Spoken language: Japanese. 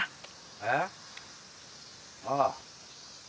えっ？ああ。